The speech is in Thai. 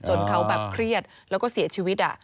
จนเขาแบบเครียดแล้วก็เสียชีวิต